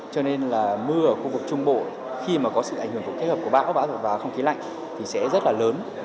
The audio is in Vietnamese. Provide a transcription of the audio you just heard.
cho nên là mưa ở khu vực trung bộ khi mà có sự ảnh hưởng của kết hợp của bão và không khí lạnh thì sẽ rất là lớn